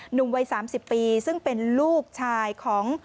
หนุ่มวัย๓๐ปีซึ่งเป็นลูกชายของ